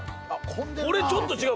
これちょっと違う。